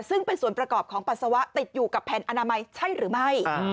ซึ่งเป็นส่วนประกอบของปัสสาวะติดอยู่กับแผ่นอนามัยใช่หรือไม่